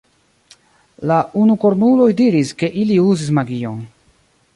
La unukornuloj diris, ke ili uzis magion.